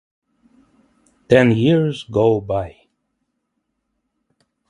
Ten years go by.